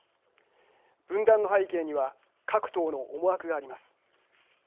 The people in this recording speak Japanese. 分断の背景には各党の思惑があります。